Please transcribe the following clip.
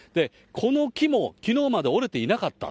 この木もきのうまで折れていなかった。